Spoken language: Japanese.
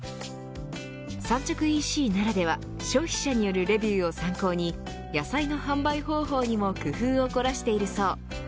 産直ＥＣならでは消費者によるレビューを参考に野菜の販売方法にも工夫を凝らしているそう。